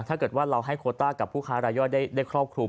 ถ้าเกิดว่าเราให้โคต้ากับผู้ค้ารายย่อยได้ครอบคลุม